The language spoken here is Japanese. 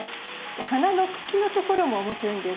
花の茎のところも面白いんだよ